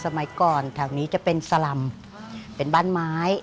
สมัยก่อนแถวนี้จะเป็นสลำเป็นบ้านไม้